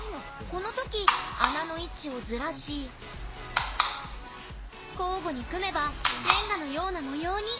この時穴の位置をずらし交互に組めばレンガのような模様に。